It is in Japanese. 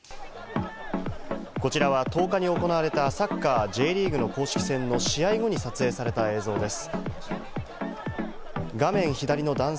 こちらは１０日に行われたサッカー、Ｊリーグの公式戦の試合後に撮影された映像です。